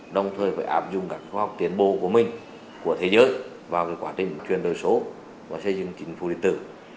đồng thời phải áp dụng các khoa học tiến bộ của mình của thế giới vào quá trình chuyển đổi số và xây dựng chính phủ điện tử